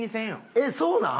えっそうなん！？